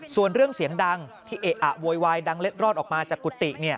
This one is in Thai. ส่วนเรื่องเสียงดังที่เอะอะโวยวายดังเล็ดรอดออกมาจากกุฏิ